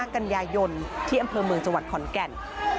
กันยายนที่อำเภอเมืองจังหวัดขอนแก่น